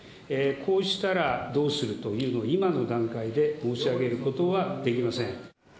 こうしたらどうするというのを、今の段階で申し上げることはできません。